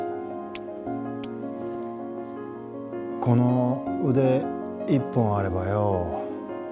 この腕一本あればよ